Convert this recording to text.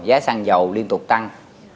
giá xăng dầu liên tục tăng